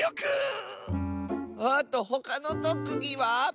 あとほかのとくぎは？